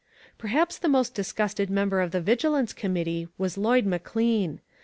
Perhaps the most disgusted member of the vigilance committee was Lloyd McLean.